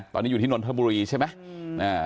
ตอนนี้อยู่ที่นท์ธรรมบุรีใช่ไหมอืม